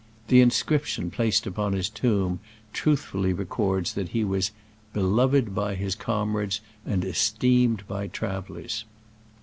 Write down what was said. The inscription placed upon his tomb truthfully records that he was "beloved by his comrades and esteemed by travelers."